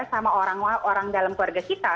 sama orang orang dalam keluarga kita